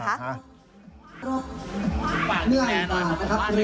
จริงอันนี่เลี้ยวนำมาเลยเพราะว่าก็ต้องพัฒนาต่อไป